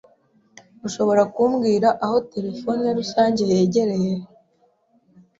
Ushobora kumbwira aho terefone rusange yegereye?